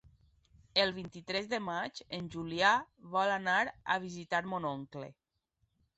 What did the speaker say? El vint-i-tres de maig en Julià vol anar a visitar mon oncle.